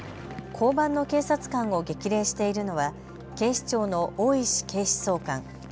交番の警察官を激励しているのは警視庁の大石警視総監。